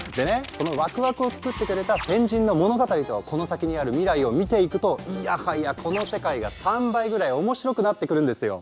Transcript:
そのワクワクを作ってくれた先人の物語とこの先にある未来を見ていくといやはやこの世界が３倍ぐらい面白くなってくるんですよ！